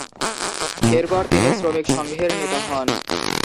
এরপর তিনি শ্রমিক সংঘের নেতা হন।